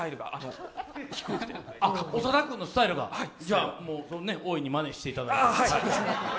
長田君のスタイルはじゃあ、大いにまねしていただいて。